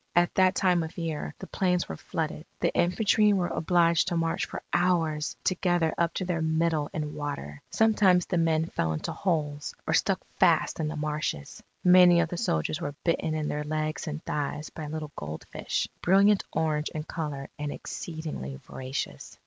At that time of year, the plains were flooded. The infantry were obliged to march for hours together up to their middle in water. Sometimes the men fell into holes, or stuck fast in the marshes. Many of the soldiers were bitten in their legs and thighs by little goldfish, brilliant orange in colour and exceedingly voracious.